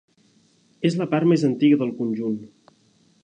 És la part més antiga del conjunt.